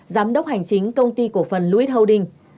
giám đốc hành chính công ty cổ phần luis holding